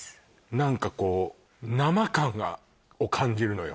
何かこうナマ感がを感じるのよ